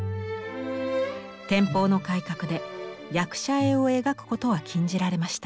天保の改革で役者絵を描くことは禁じられました。